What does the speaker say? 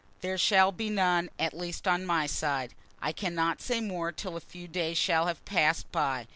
There shall be none at least on my side. I cannot say more till a few days shall have passed by.